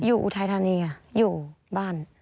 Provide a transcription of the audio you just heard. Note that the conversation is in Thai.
อยู่อูไทยทางนี้อยู่บ้าน